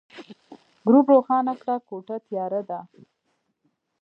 ګروپ روښانه کړه، کوټه تياره ده.